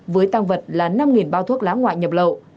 với tăng vật là năm bao thuốc lá ngoại nhập lậu